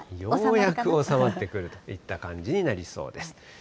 ようやく収まるかなといった感じになりそうです。